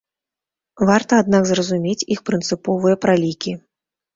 Варта, аднак, зразумець іх прынцыповыя пралікі.